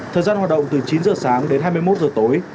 thời gian hoạt động từ chín giờ sáng đến hai mươi một giờ tối